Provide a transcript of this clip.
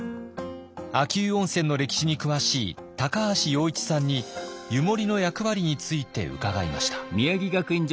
秋保温泉の歴史に詳しい高橋陽一さんに湯守の役割について伺いました。